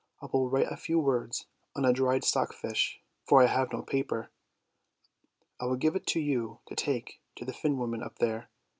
I will write a few words on a dried stock fish, for I have no paper. I will give it to you to take to the Finn woman up there.